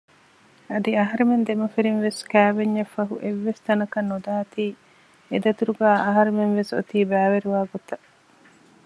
އަދި އަހަރެމެން ދެމަފިރިންވެސް ކައިވެންޏށްފަހު އެއްވެސް ތަނަކަށް ނުދާތީ އެދަތުރުގައި އަހަރެމެންވެސް އޮތީ ބައިވެރިވާގޮތަށް